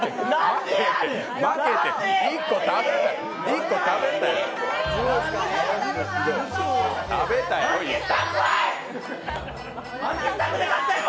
１個食べたやろ。